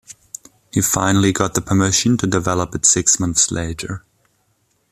He finally got the permission to develop it six months later.